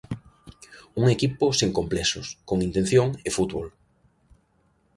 Un equipo sen complexos, con intención e fútbol.